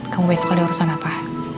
kamu besok ada urusan apa